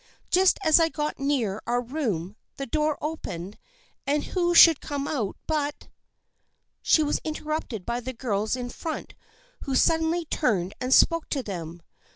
Just as I got near our room the door opened and who should come out but " She was interrupted by the girls in front who suddenly turned and spoke to them.